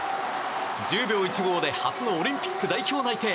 １０秒１５で初のオリンピック代表内定。